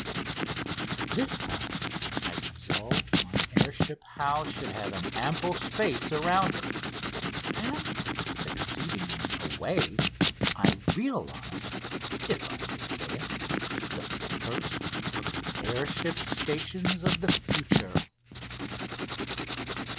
This time I resolved my air ship house should have an ample space around it. And, succeeding in a way, I realised if I may say it the first of the air ship stations of the future.